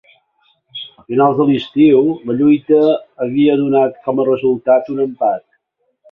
A finals de l"estiu, la lluita havia donat com a resultat un empat.